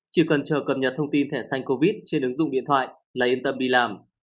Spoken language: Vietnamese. chỉ cần chờ cập nhật thông tin thẻ xanh covid trên ứng dụng điện thoại là yên tâm đi làm